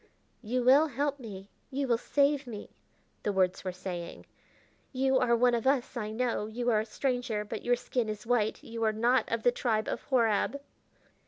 "You will help me, you will save me," the words were saying. "You are one of us, I know. You are a stranger, but your skin is white; you are not of the tribe of Horab."